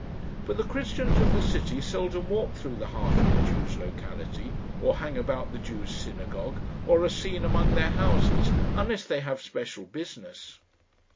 But the Christians of the city seldom walk through the heart of the Jews' locality, or hang about the Jews' synagogue, or are seen among their houses unless they have special business.